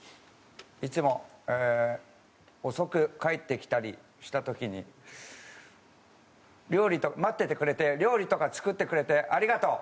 いつも遅く帰ってきたりした時に待っててくれて料理とか作ってくれてありがとう。